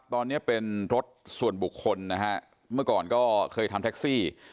ตอนนี้เป็นรถส่วนบุคคลนะฮะเมื่อก่อนก็เคยทำแท็กซี่